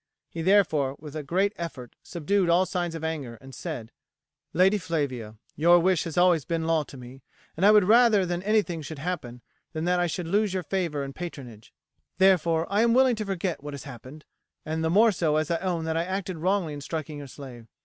He, therefore, with a great effort subdued all signs of anger and said: "Lady Flavia, your wish has always been law to me, and I would rather that anything should happen than that I should lose your favour and patronage, therefore, I am willing to forget what has happened, the more so as I own that I acted wrongly in striking your slave.